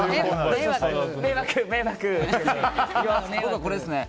僕はこれですね。